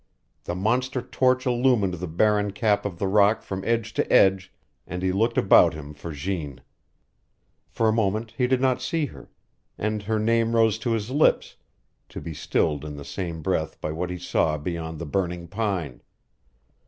The monster torch illumined the barren cap of the rock from edge to edge, and he looked about him for Jeanne. For a moment he did not see her, and her name rose to his lips, to be stilled in the same breath by what he saw beyond the burning pine.